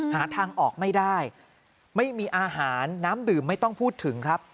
หาทางออกไม่ได้ไม่มีอาหารน้ำดื่มไม่ต้องพูดถึงครับ